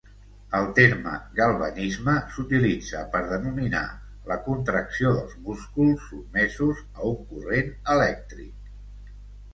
El terme galvanisme s'utilitza per denominar la contracció dels músculs sotmesos a un corrent elèctric.